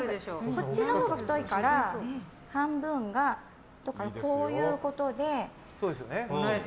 こっちのほうが太いから半分がこういうことで。